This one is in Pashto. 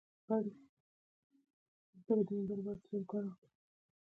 د دې ادعا د اثبات لپاره کوم سند نشته.